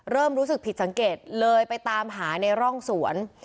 เริ่มรู้สึกผิดสังเกตเลยไปตามหาในร่องสวน